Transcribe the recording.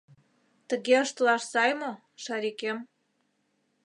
— Тыге ыштылаш сай мо, Шарикем?